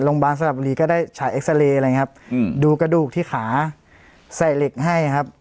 โรงบาลสลับบุรีก็ได้ใช้อะไรครับอืมดูกระดูกที่ขาใส่เหล็กให้ครับ